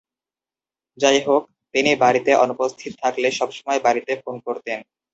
যাইহোক, তিনি বাড়িতে অনুপস্থিত থাকলে সবসময় বাড়িতে ফোন করতেন।